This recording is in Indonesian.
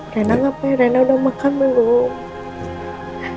reina ngapain reina udah makan belum